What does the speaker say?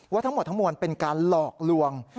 ทั้งหมดทั้งมวลเป็นการหลอกลวง